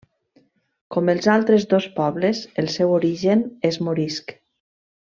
Com els altres dos pobles, el seu origen és morisc.